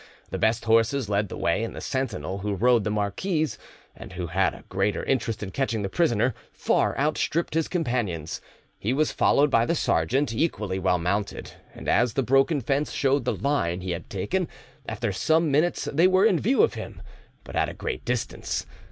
The best horses led the way, and the sentinel, who rode the marquis's, and who had a greater interest in catching the prisoner, far outstripped his companions; he was followed by the sergeant, equally well mounted, and as the broken fence showed the line he had taken, after some minutes they were in view of him, but at a great distance.